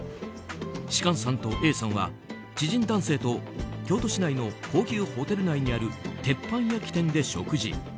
芝翫さんとＡさんは知人男性と京都市内の高級ホテル内にある鉄板焼き店で食事。